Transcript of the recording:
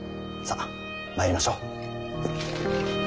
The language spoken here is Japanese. さあ参りましょう。